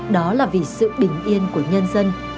đó là vì sự bình yên của nhân dân